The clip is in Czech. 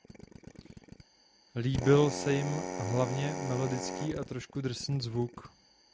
Líbil se jim hlavně melodický a trošku drsný zvuk.